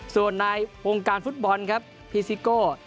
ส่วนในวงการฟุตบอลครับพีซิโก้